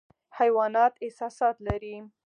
حیوانات احساسات لري